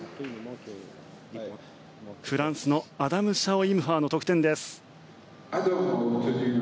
フランスのアダム・シャオ・イム・ファの得点です。